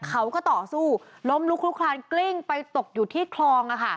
เขาก็ต่อสู้ล้มลุกลุกคลานกลิ้งไปตกอยู่ที่คลอง